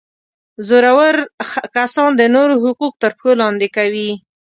زورور کسان د نورو حقوق تر پښو لاندي کوي.